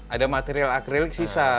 ada material akrilik sisa